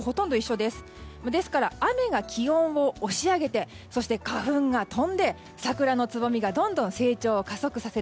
ですから、雨が気温を押し上げてそして、花粉が飛んで桜のつぼみがどんどん成長を加速させる。